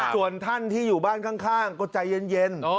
ส่วนท่านที่อยู่บ้านข้างก็ใจเย็น